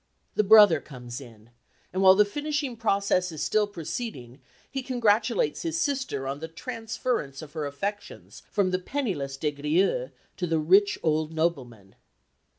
The brother comes in, and while the finishing process is still proceeding, he congratulates his sister on the transference of her affections from the penniless Des Grieux to the rich old nobleman.